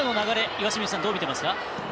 岩清水さん、どうみてますか？